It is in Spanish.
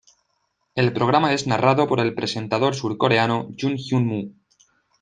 El programa es narrado por el presentador surcoreano Jun Hyun-moo.